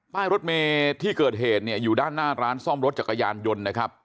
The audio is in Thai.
รถเมที่เกิดเหตุเนี่ยอยู่ด้านหน้าร้านซ่อมรถจักรยานยนต์นะครับ